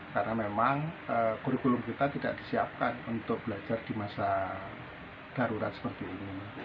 karena memang kurikulum kita tidak disiapkan untuk belajar di masa darurat seperti ini